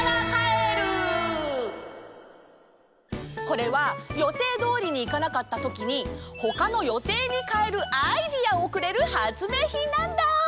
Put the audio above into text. これは予定どおりにいかなかったときにほかの予定にかえるアイデアをくれるはつめいひんなんだ！